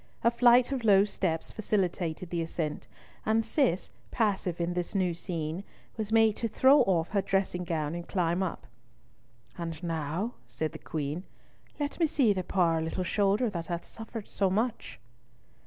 A flight of low steps facilitated the ascent; and Cis, passive in this new scene, was made to throw off her dressing gown and climb up. "And now," said the Queen, "let me see the poor little shoulder that hath suffered so much."